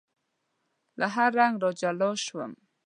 له هر رنګ را جلا شوم